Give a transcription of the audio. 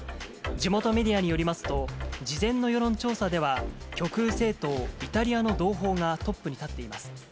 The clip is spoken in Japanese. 地元メディアによりますと、事前の世論調査では、極右政党、イタリアの同胞がトップに立っています。